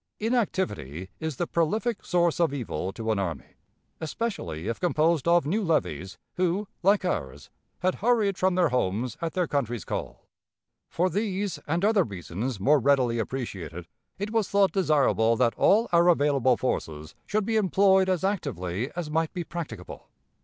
Inactivity is the prolific source of evil to an army, especially if composed of new levies, who, like ours, had hurried from their homes at their country's call. For these, and other reasons more readily appreciated, it was thought desirable that all our available forces should be employed as actively as might be practicable.